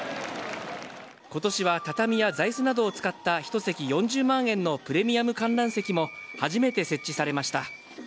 ことしは畳や座いすなどを使ったひと席４０万円のプレミアム観覧席も初めて設置されました。